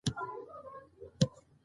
ځکه خو يې د مجسمې د لمس کولو هڅه ونه کړه.